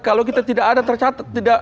kalau kita tidak ada tercatat